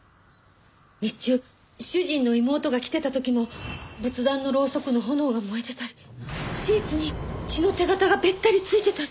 日中主人の妹が来てた時も仏壇のろうそくの炎が燃えてたりシーツに血の手形がべったり付いてたり。